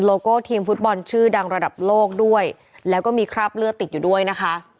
โก้ทีมฟุตบอลชื่อดังระดับโลกด้วยแล้วก็มีคราบเลือดติดอยู่ด้วยนะคะ